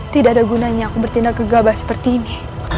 tidak ada gunanya aku bertindak kegabah seperti ini